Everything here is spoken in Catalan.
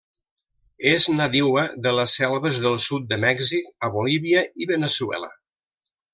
És nadiua de les selves del sud de Mèxic a Bolívia i Veneçuela.